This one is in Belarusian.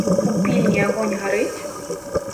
У пільні агонь гарыць?